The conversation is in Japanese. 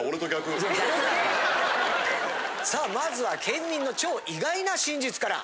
さあまずは県民の超意外な真実から！